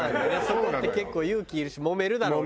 そういうのって結構勇気いるしもめるだろうね。